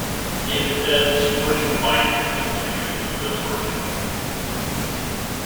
Instead, Spring Byington appeared in the film version.